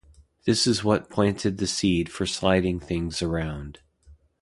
This is what planted the seed for sliding things around.